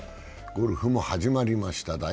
ゴルフも始まりました。